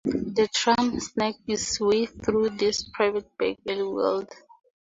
The tram snaked its way through this private back-alley world.